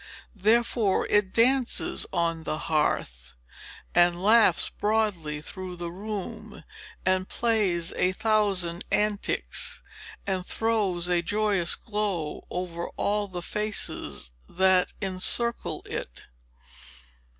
Therefore it dances on the hearth, and laughs broadly through the room, and plays a thousand antics, and throws a joyous glow over all the faces that encircle it.